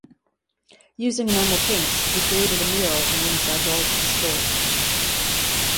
Using enamel paints, he created a mural on the inside walls of the store.